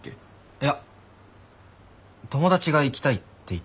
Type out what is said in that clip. いや友達が行きたいって言ってて。